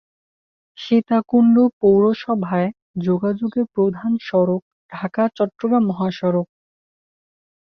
সীতাকুণ্ড পৌরসভায় যোগাযোগের প্রধান সড়ক ঢাকা-চট্টগ্রাম মহাসড়ক।